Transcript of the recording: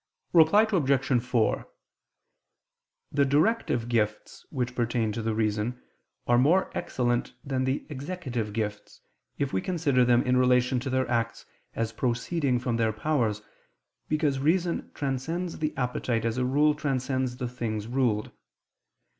Reply Obj. 4: The directive gifts which pertain to the reason are more excellent than the executive gifts, if we consider them in relation to their acts as proceeding from their powers, because reason transcends the appetite as a rule transcends the thing ruled.